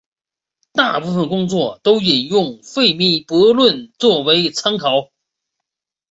大部分工作都引用费米悖论作为参考。